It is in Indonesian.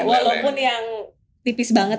walaupun yang tipis banget